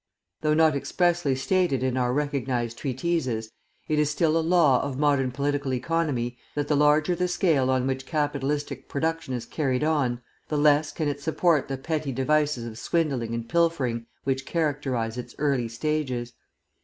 Though not expressly stated in our recognised treatises, it is still a law of modern Political Economy that the larger the scale on which Capitalistic Production is carried on, the less can it support the petty devices of swindling and pilfering which characterise its early stages.